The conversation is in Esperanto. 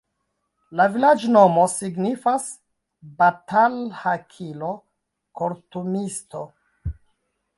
La vilaĝnomo signifas: batalhakilo-kortumisto.